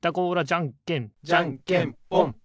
じゃんけんじゃんけんぽん！